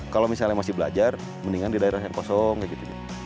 kalau misalnya masih belajar mendingan di daerah yang kosong kayak gitu